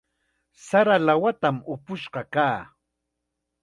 Sara lawatam upush kaa.